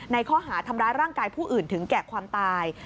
ข้อหาทำร้ายร่างกายผู้อื่นถึงแก่ความตาย